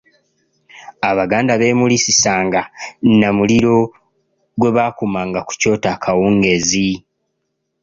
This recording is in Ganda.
Abaganda beemulisisanga na muliro gwe bakumanga ku kyoto akawungeezi.